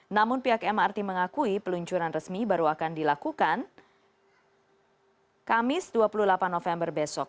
namun pihak mrt mengakui peluncuran resmi baru akan dilakukan kamis dua puluh delapan november besok